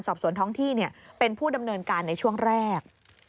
สอบสวนท้องที่เป็นผู้ดำเนินการในช่วงแรก